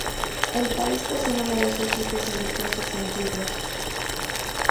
El país posee numerosos sitios religiosos antiguos.